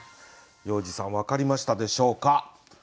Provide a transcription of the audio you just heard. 要次さん分かりましたでしょうか。